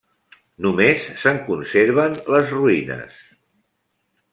Només se'n conserven les ruïnes.